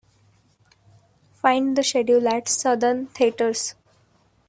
Find the schedule at Southern Theatres.